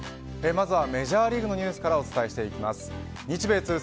まずはメジャーリーグのニュースからお伝えしていきます。